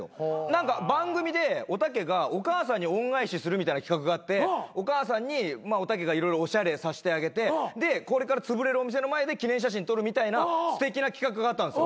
何か番組でおたけがお母さんに恩返しするみたいな企画があってお母さんにおたけが色々おしゃれさせてあげてでこれからつぶれるお店の前で記念写真撮るみたいなすてきな企画があったんです。